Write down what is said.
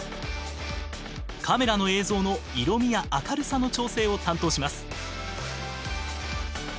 カメラの映像の色みや明るさの調整を担当します。